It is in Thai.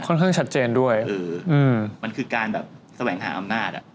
ค่อนข้างชัดเจนด้วยมันคือการแบบแสวงหาอำนาจ